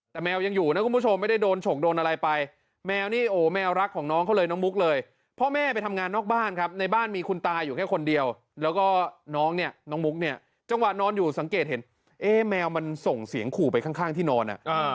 แต่แมวยังอยู่นะคุณผู้ชมไม่ได้โดนฉกโดนอะไรไปแมวนี่โอ้แมวรักของน้องเขาเลยน้องมุกเลยพ่อแม่ไปทำงานนอกบ้านครับในบ้านมีคุณตาอยู่แค่คนเดียวแล้วก็น้องเนี่ยน้องมุกเนี่ยจังหวะนอนอยู่สังเกตเห็นเอ๊ะแมวมันส่งเสียงขู่ไปข้างที่นอน